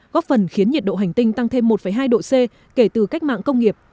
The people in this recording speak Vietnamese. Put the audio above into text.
góp phần khiến nhiệt độ hành tinh tăng thêm một hai độ c kể từ cách mạng công nghiệp